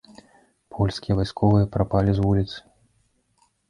Польскія вайсковыя прапалі з вуліцы.